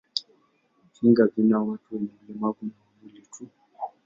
Vingi vina watu wenye ulemavu wa mwili tu.